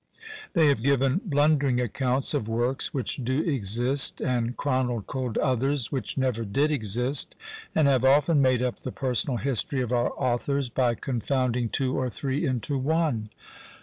They have given blundering accounts of works which do exist, and chronicled others which never did exist; and have often made up the personal history of our authors, by confounding two or three into one.